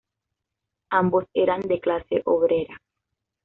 Ambos eran de clase obrera.